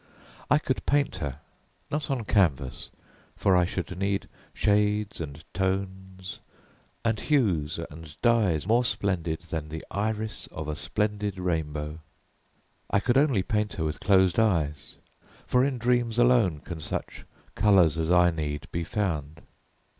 I could paint her, not on canvas for I should need shades and tones and hues and dyes more splendid than the iris of a splendid rainbow. I could only paint her with closed eyes, for in dreams alone can such colours as I need be found.